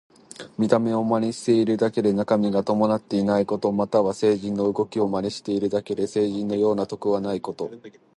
見た目を真似しているだけで中身が伴っていないこと。または、聖人の動きを真似しているだけで聖人のような徳はないこと。